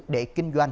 để kinh doanh